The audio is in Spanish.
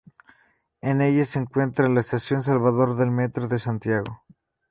En ella se encuentra la estación Salvador del Metro de Santiago.